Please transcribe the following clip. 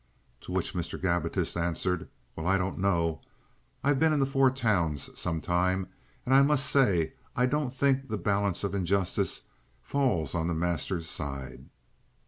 To which Mr. Gabbitas answered, "Well, I don't know. I've been in the Four Towns some time, and I must say I don't think the balance of injustice falls on the masters' side."